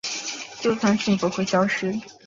就算幸福会消失